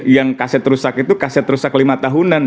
yang kaset rusak itu kaset rusak lima tahunan